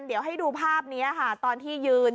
เดี๋ยวให้ดูภาพนี้ค่ะตอนที่ยืน